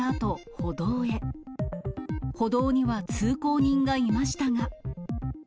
歩道には通行人がいましたが。